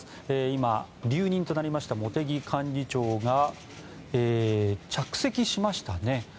今、留任となりました茂木幹事長が着席しましたね。